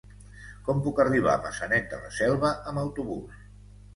Com puc arribar a Maçanet de la Selva amb autobús?